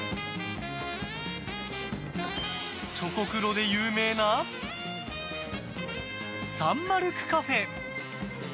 チョコクロで有名なサンマルクカフェ。